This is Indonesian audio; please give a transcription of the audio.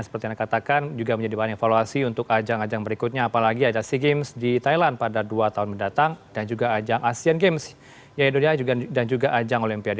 seperti yang dikatakan juga menjadi banyak